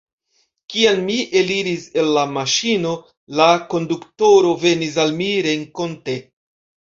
Kiam mi eliris el la maŝino, la konduktoro venis al mi renkonte.